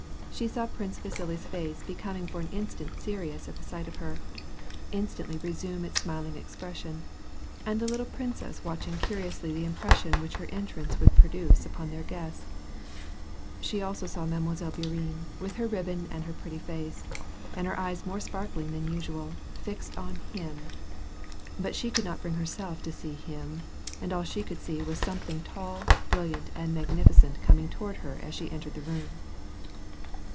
She saw Prince Vasili's face becoming for an instant serious at the sight of her, instantly resume its smil ing expression, and the little princess watching curiously the impression which her entrance would j)roduce upon their guests. She saw also Mile. Bourienne, with her ribbon and her i)retty face, and her eyes more sparkling than usual, fixed on him; but she could not bring herself to see hini ; [Ol she could see was something tall, brilliant, and magnificent coining toward her as she entered the room.